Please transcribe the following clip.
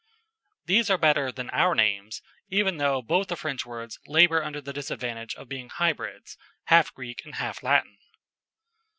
_ These are better than our names, even though both the French words labour under the disadvantage of being hybrids, half Greek and half Latin.